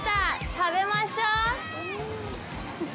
食べましょう！